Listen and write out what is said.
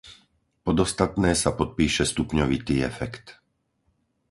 Pod ostatné sa podpíše stupňovitý efekt.